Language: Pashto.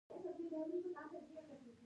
کۀ کم وي نو دغه کمے دې